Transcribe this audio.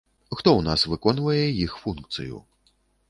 Хто ў нас выконвае іх функцыю?